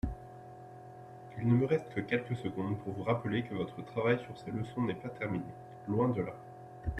Il ne me reste que quelques secondes pour vous rappeler que votre travail sur ces leçons n’est pas terminé, loin de là.